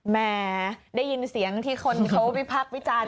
แหมได้ยินเสียงที่คนเขาวิพักษ์วิจารณ์